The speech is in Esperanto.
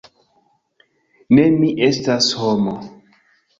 "Ne, mi estas homo."